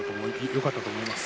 よかったと思います。